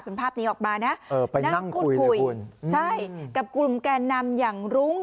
เป็นภาพนี้ออกมานะเออไปนั่งพูดคุยใช่กับกลุ่มแก่นำอย่างรุ้ง